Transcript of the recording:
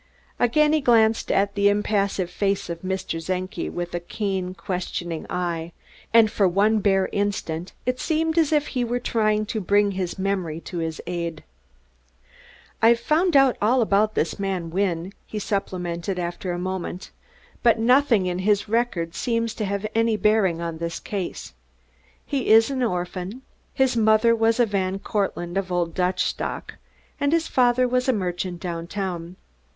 Again he glanced at the impassive face of Mr. Czenki with keen, questioning eyes; and for one bare instant it seemed as if he were trying to bring his memory to his aid. "I've found out all about this man Wynne," he supplemented after a moment, "but nothing in his record seems to have any bearing on this case. He is an orphan. His mother was a Van Cortlandt of old Dutch stock, and his father was a merchant downtown.